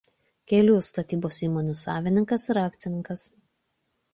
Kelių statybos įmonių savininkas ir akcininkas.